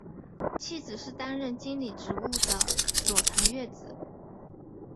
妻子是担任经理职务的佐藤悦子。